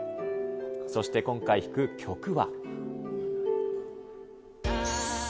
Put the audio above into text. そして、今回弾く曲は。